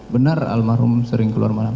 benar almarhum sering keluar malam